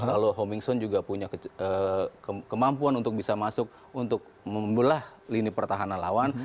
lalu homingson juga punya kemampuan untuk bisa masuk untuk membelah lini pertahanan lawan